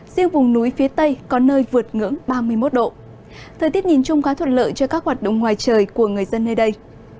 riêng vùng núi phía tây có nơi vượt ngưỡng ba mươi một độ thời tiết nhìn chung khá thuận lợi cho các hoạt động ngoài trời của người dân nơi đây